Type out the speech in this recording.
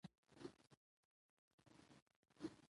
ځمکه د افغانستان د ښاري پراختیا یو لوی سبب کېږي.